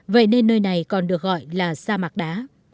vậy nên nơi này còn được gọi là sa mạc đá